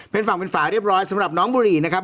เป็นฝั่งเป็นฝาเรียบร้อยสำหรับน้องบุหรี่นะครับ